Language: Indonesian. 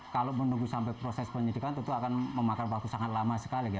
kalau menunggu sampai proses penyidikan tentu akan memakan waktu sangat lama sekali